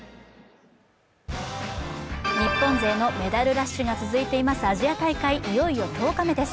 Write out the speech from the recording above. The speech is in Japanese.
日本勢のメダルラッシュが続いていますアジア大会、いよいよ１０日目です。